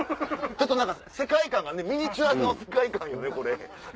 ちょっと何か世界観がねミニチュアの世界観よねこれ。